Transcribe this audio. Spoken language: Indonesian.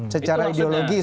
secara ideologis gitu ya